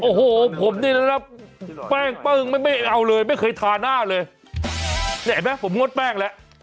โอ้โหผมนี่นะแป้งปึ้งไม่ไม่เอาเลยไม่เคยทาหน้าเลยเนี่ยเห็นไหมผมงดแป้งแล้ว